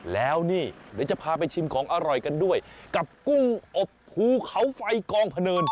แล้วนี่เดี๋ยวจะพาไปชิมของอร่อยกันด้วยกับกุ้งอบภูเขาไฟกองพะเนิน